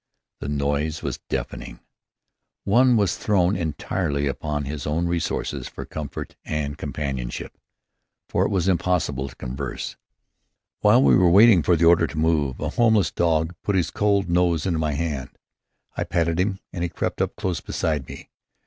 The noise was deafening. One was thrown entirely upon his own resources for comfort and companionship, for it was impossible to converse. While we were waiting for the order to move, a homeless dog put his cold nose into my hand. I patted him and he crept up close beside me.